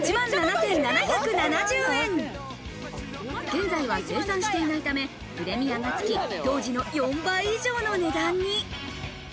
現在は生産していないため、プレミアがつき、当時の４倍以上の値段に。